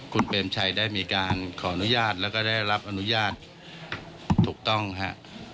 คุณเปรมชัยได้มีการขออนุญาตแล้วก็ได้รับอนุญาตถูกต้องฮะ